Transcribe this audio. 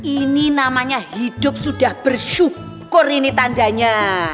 ini namanya hidup sudah bersyukur ini tandanya